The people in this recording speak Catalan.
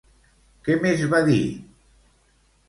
Què més va dir?